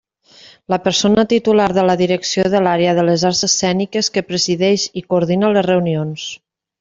La persona titular de la Direcció de l'Àrea de les Arts Escèniques, que presideix i coordina les reunions.